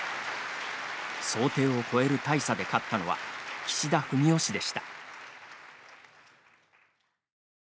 想定を超える大差で勝ったのは岸田文雄氏でした。